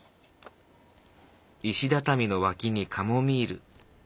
石畳の脇にカモミール。